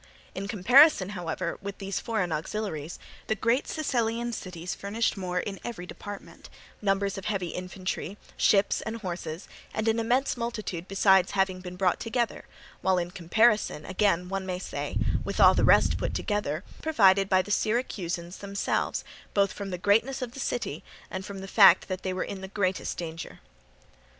In comparison, however, with these foreign auxiliaries, the great Siceliot cities furnished more in every department—numbers of heavy infantry, ships, and horses, and an immense multitude besides having been brought together; while in comparison, again, one may say, with all the rest put together, more was provided by the Syracusans themselves, both from the greatness of the city and from the fact that they were in the greatest danger.